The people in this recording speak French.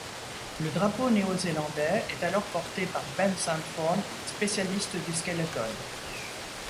Le drapeau néo-zélandais est alors porté par Ben Sandford, spécialiste du skeleton.